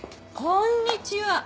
こんにちは。